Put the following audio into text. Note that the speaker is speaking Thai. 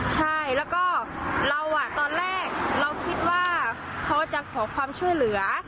ใช่แล้วก็เราตอนแรกเราคิดว่าเขาจะขอความช่วยเหลือ